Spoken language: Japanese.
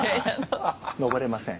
登れません。